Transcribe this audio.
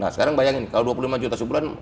sekarang bayangin kalau rp dua puluh lima sebulan